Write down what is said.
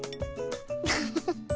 フフフ。